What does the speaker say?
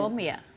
pembuatan bom ya